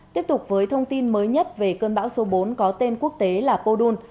tiếp tục với thông tin mới nhất về cơn bão số bốn có tên quốc tế là podun